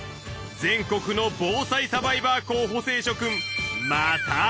全国の防災サバイバー候補生諸君また会おう！